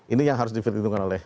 ini yang harus diperhitungkan oleh